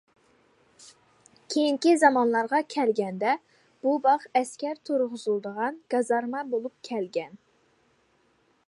كېيىنكى زامانلارغا كەلگەندە، بۇ باغ ئەسكەر تۇرغۇزۇلىدىغان گازارما بولۇپ كەلگەن.